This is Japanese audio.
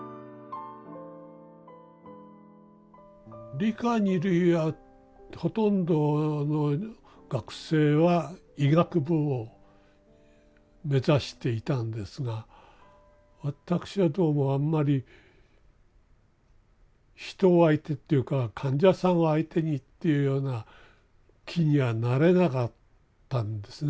理科二類はほとんどの学生は医学部を目指していたんですが私はどうもあんまり人相手っていうか患者さんを相手にっていうような気にはなれなかったんですね。